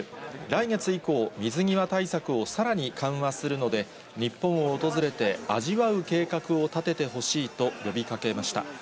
来月以降、水際対策をさらに緩和するので、日本を訪れて味わう計画を立ててほしいと呼びかけました。